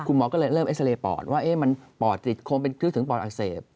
หมอก็เลยเริ่มเอ็กซาเรย์ปอดว่ามันปอดติดคงเป็นคลึกถึงปอดอักเสบ